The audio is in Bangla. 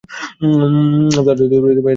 এবারও তার স্থলে এ দায়িত্বে আসেন কপিল দেব।